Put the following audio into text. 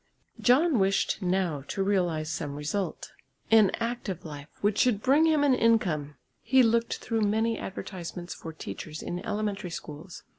John wished now to realise some result, an active life which should bring him an income. He looked through many advertisements for teachers in elementary schools.